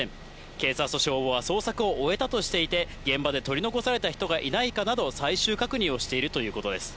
警察と消防は捜索を終えたとしていて、現場で取り残された人がいないかなど、最終確認をしているということです。